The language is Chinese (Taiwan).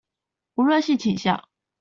無論性傾向